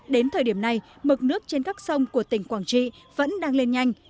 đến thời điểm này mực nước trên các sông của tỉnh quảng trị vẫn đang lên nhanh